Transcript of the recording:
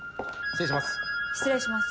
失礼します。